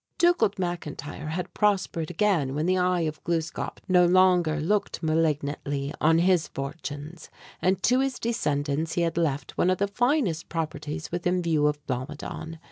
Dugald McIntyre had prospered again when the "Eye of Gluskâp" no longer looked malignantly on his fortunes; and to his descendants he had left one of the finest properties within view of Blomidon.